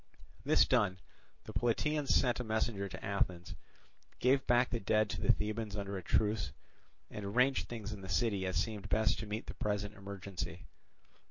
This done, the Plataeans sent a messenger to Athens, gave back the dead to the Thebans under a truce, and arranged things in the city as seemed best to meet the present emergency.